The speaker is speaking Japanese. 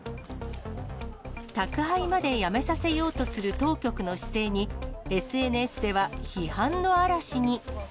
宅配までやめさせようとする当局の姿勢に、ＳＮＳでは批判の嵐に。